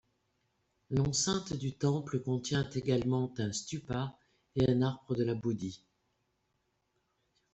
L’enceinte du temple contient également un stūpa et un arbre de la Bodhi.